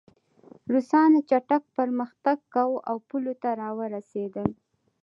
روسانو چټک پرمختګ کاوه او پولو ته راورسېدل